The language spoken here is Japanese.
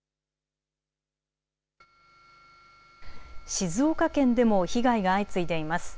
静岡県でも被害が相次いでいます。